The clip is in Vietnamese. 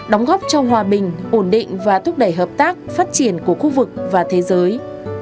đóng góp cho hòa bình ổn định và thúc đẩy hợp tác phát triển của khu vực và thế giới